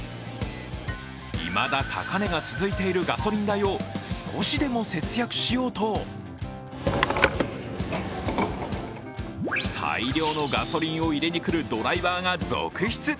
いまだ高値が続いているガソリン代を少しでも節約しようと大量のガソリンを入れに来るドライバーが続出。